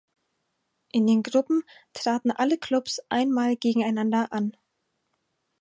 In den Gruppen traten alle Klubs einmal gegeneinander an.